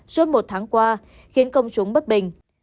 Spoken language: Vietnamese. suốt một tháng qua khiến công chúng bất bình